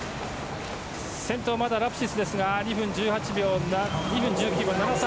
先頭はまだラプシスですが２分１９秒７３。